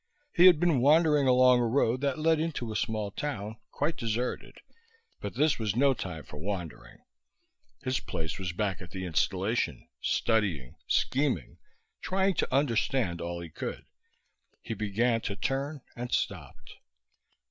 He had been wandering along a road that led into a small town, quite deserted, but this was no time for wandering. His place was back at the installation, studying, scheming, trying to understand all he could. He began to turn, and stopped.